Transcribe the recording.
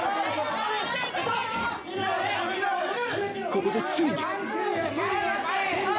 ・ここでついに！